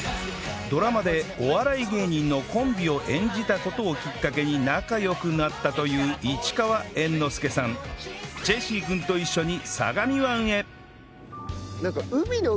ドラマでお笑い芸人のコンビを演じた事をきっかけに仲良くなったという市川猿之助さんジェシー君と一緒にええーっ！